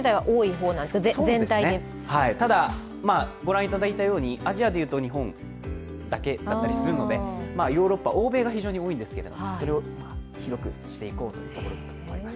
そうですね、ただ、アジアで言うと日本だけだったりするのでヨーロッパ、欧米が非常に多いんですけれども、それを広くしていこうというところだと思います。